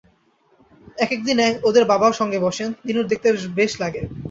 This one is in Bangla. একেক দিন ওদের বাবাও সঙ্গে বসেন, দিনুর দেখতে বেশ লাগে।